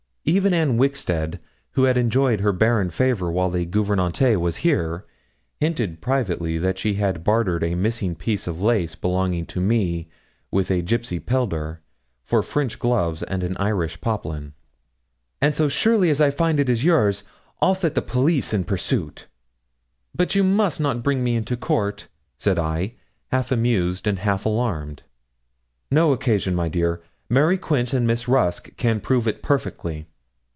Even Anne Wixted, who had enjoyed her barren favour while the gouvernante was here, hinted privately that she had bartered a missing piece of lace belonging to me with a gipsy pedlar, for French gloves and an Irish poplin. 'And so surely as I find it is yours, I'll set the police in pursuit.' 'But you must not bring me into court,' said I, half amused and half alarmed. 'No occasion, my dear; Mary Quince and Mrs. Rusk can prove it perfectly.'